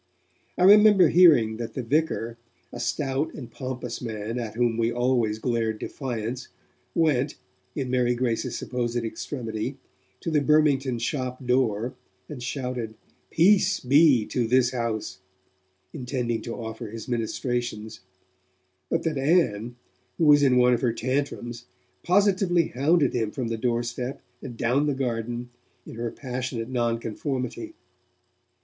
I remember hearing that the vicar, a stout and pompous man at whom we always glared defiance, went, in Mary Grace's supposed extremity, to the Burmingtons' shop door, and shouted: 'Peace be to this house,' intending to offer his ministrations, but that Ann, who was in one of her tantrums, positively hounded him from the doorstep and down the garden, in her passionate nonconformity.